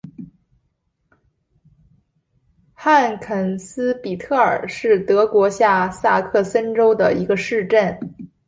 汉肯斯比特尔是德国下萨克森州的一个市镇。